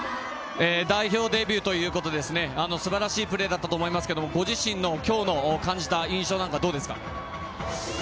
代表デビューということで素晴らしいプレーだったと思いますけど、ご自身で今日感じた印象はどうですか？